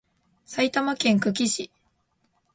埼玉県久喜市